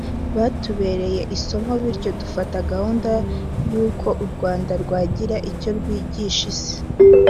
byatubereye isomo bityo dufata gahunda y’uko u Rwanda rwagira icyo rwigisha Isi